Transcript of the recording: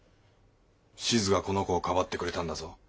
しづがこの子をかばってくれたんだぞ。